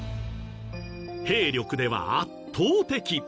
「兵力では圧倒的」。